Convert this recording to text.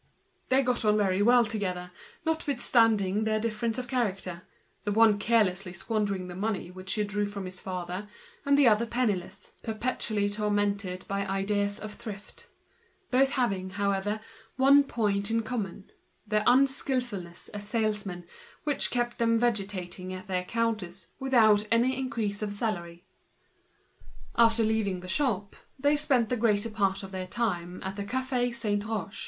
They got on very well together, notwithstanding then: difference of character, the one carelessly squandering the money he drew from his father, the other penniless, perpetually tortured by ideas of saving, both having, however, a point in common, their unskilfulness as salesmen, which left them to vegetate at their counters, without any increase of salary. After leaving the shop, they spent the greater part of their time at the Café Saint Roch.